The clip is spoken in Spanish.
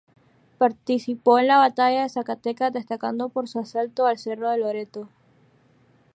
Participó en la Batalla de Zacatecas, destacando por su asalto al cerro de Loreto.